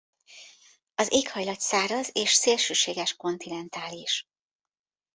Az éghajlat száraz és szélsőséges kontinentális.